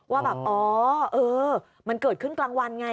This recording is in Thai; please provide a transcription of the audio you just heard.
ว่าแบบอ๋อเออมันเกิดขึ้นกลางวันไง